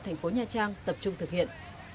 thành phố nha trang tập trung thực hiện